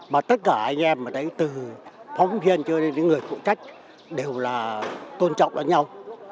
mà tất cả anh em từ phóng viên cho đến những người phụ trách đều tôn trọng lẫn nhau